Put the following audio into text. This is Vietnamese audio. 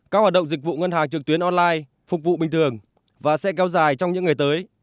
các hoạt động dịch vụ ngân hàng trực tuyến online phục vụ bình thường và sẽ kéo dài trong những ngày tới